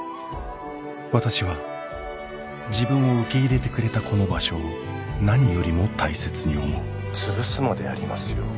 私は自分を受け入れてくれたこの場所を何よりも大切に思う潰すまでやりますよ